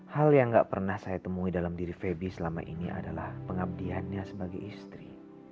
hal yang gak pernah saya temui dalam diri feby selama ini adalah pengabdiannya sebagai istri